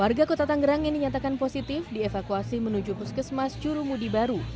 warga kota tangerang yang dinyatakan positif dievakuasi menuju puskesmas curumudi baru